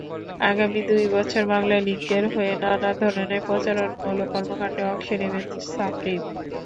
আগামী দুই বছর বাংলালিংকের হয়ে নানা ধরনের প্রচারণামূলক কর্মকাণ্ডে অংশ নেবেন সাকিব।